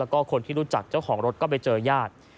แล้วก็คนที่รู้จักเจ้าของรถก็ไปเจอญาติ